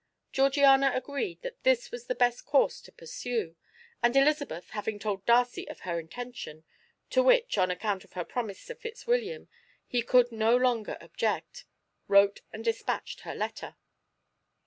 Georgiana agreed that this was the best course to pursue, and Elizabeth, having told Darcy of her intention, to which, on account of her promise to Fitzwilliam, he could no longer object, wrote and dispatched her letter.